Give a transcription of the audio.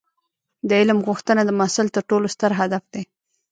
د علم غوښتنه د محصل تر ټولو ستر هدف دی.